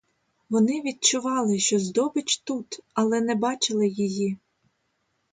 Вони відчували, що здобич тут, але не бачили її.